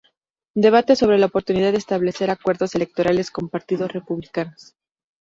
Debate sobre la oportunidad de establecer acuerdos electorales con partidos republicanos.